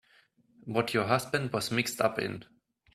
What your husband was mixed up in.